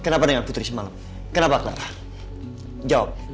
kenapa dengan putri semalam kenapa clara jawab